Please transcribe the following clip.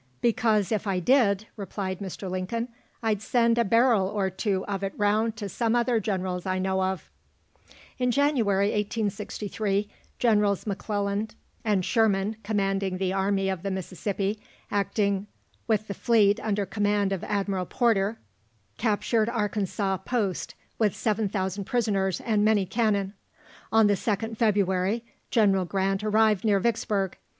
"Because if I did," replied Mr. Lincoln, "I'd send a barrel or two of it round to some other Generals I know of." In January, 1863, Generals M'Clernand and Sherman, commanding the army of the Mississippi, acting with the fleet under command of Admiral Porter, captured Arkansas Post, with 7000 prisoners and many cannon. On the 2nd February, General Grant arrived near Vicksburg.